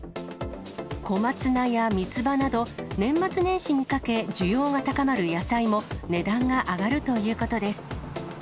小松菜やみつばなど、年末年始にかけ、需要が高まる野菜も、値段が上がるということです。